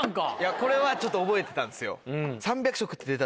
これはちょっと覚えてたんですよ。